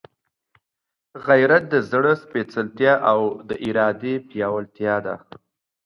غیرت د زړه سپېڅلتیا او د ارادې پیاوړتیا ده.